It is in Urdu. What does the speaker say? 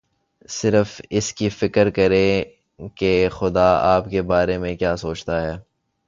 صرف اس کی فکر کریں کہ خدا آپ کے بارے میں کیا سوچتا ہے۔